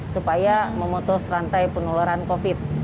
supaya memutus rantai penularan covid sembilan belas